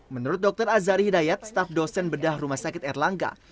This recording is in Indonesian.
menurut dokter azari hidayat staf dosen bedah rumah sakit erlangga